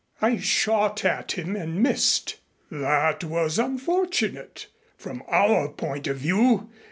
"I shot at him and missed." "That was unfortunate from our point of view.